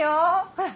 ほら